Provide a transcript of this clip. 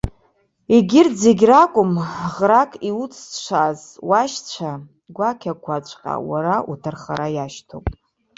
Егьырҭ зегьы ракәым, ӷрак иуцҭшааз уашьцәа гәакьақәаҵәҟьа уара уҭархара иашьҭоуп.